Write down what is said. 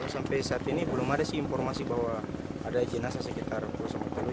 sampai saat ini belum ada sih informasi bahwa ada jenazah sekitar pulau sumatera